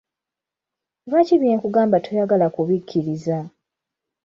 Lwaki bye nkugamba toyagala kubikkiriza?